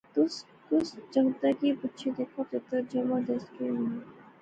تس کسا جنگتا کی پُچھا دیکھا پچہتر جمع دس کے ہونا